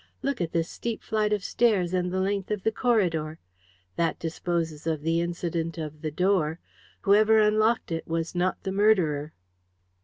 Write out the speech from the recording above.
Look at this steep flight of stairs and the length of the corridor! That disposes of the incident of the door. Whoever unlocked it was not the murderer."